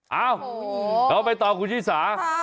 เอ้าเราไปต่อคุณชี่สา